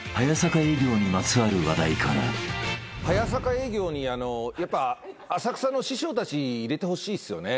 早坂営業にやっぱ浅草の師匠たち入れてほしいですよね。